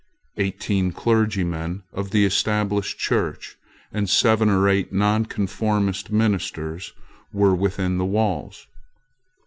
Eighteen clergymen of the Established Church and seven or eight nonconformist ministers were within the walls.